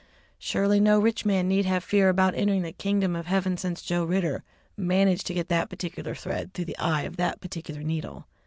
Surely no rich man need have any fear about entering the kingdom of heaven since Joe Ridder managed to get that particular thread through the eye of that particular needle!